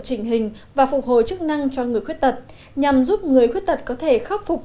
trình hình và phục hồi chức năng cho người khuyết tật nhằm giúp người khuyết tật có thể khắc phục